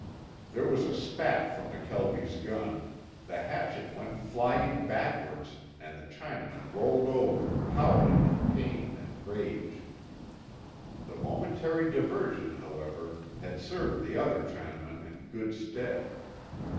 There was a spat from McKelvie's gun, the hatchet went flying backwards and the Chinaman rolled over, howling with pain and rage. The momentary diversion, however, had served the other Chinaman in good stead.